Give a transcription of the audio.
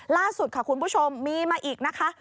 ล่าสุดค่ะคุณผู้ชมมีมาอีกนะคะ